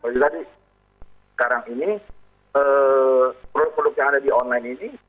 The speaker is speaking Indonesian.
jadi sekarang ini produk produk yang ada di online ini